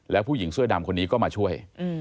แล้วผู้หญิงเสื้อดำคนนี้ก็มาช่วย